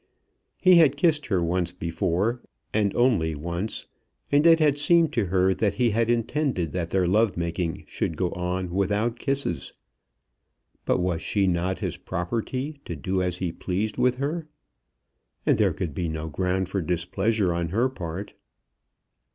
He had kissed her once before, and only once, and it had seemed to her that he had intended that their love making should go on without kisses. But was she not his property, to do as he pleased with her? And there could be no ground for displeasure on her part.